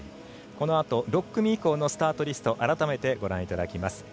このあと６組以降のスタートリスト改めてご覧いただきます。